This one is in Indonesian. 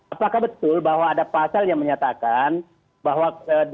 apakah betul bahwa ada pasal yang menyatakan bahwa